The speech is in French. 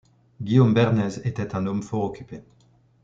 Guillaume Bernays était un homme fort occupé.